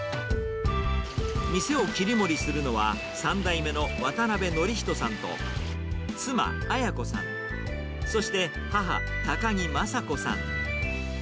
店を切り盛りするのは、３代目の渡辺典人さんと妻、綾子さん、そして母、高木正子さん。